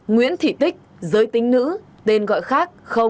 nguyễn thị tích giới tính nữ tên gọi khác